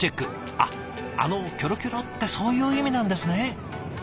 あっあのキョロキョロってそういう意味なんですね。